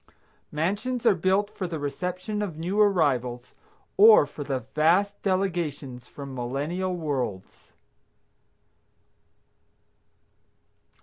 Mansions are built for the reception of new arrivals, or for the vast delegations from millennial worlds.